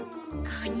カニ！